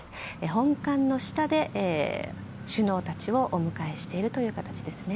本館の下で、首脳たちをお迎えしているという形です。